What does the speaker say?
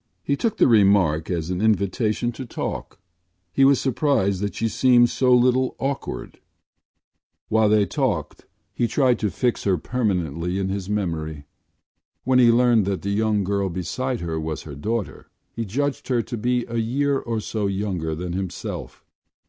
” He took the remark as an invitation to talk. He was surprised that she seemed so little awkward. While they talked he tried to fix her permanently in his memory. When he learned that the young girl beside her was her daughter he judged her to be a year or so younger than himself.